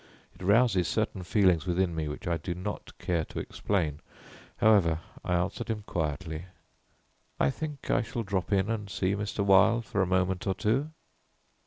It rouses certain feelings within me which I do not care to explain. However, I answered him quietly: "I think I shall drop in and see Mr. Wilde for a moment or two."